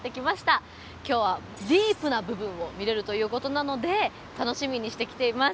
今日はディープな部分を見れるということなので楽しみにして来ています。